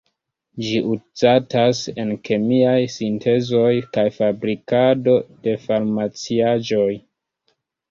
Ĝi uzatas en kemiaj sintezoj kaj fabrikado de farmaciaĵoj.